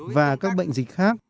và các bệnh dịch khác